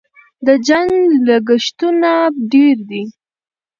د جنګ لګښتونه ډېر دي.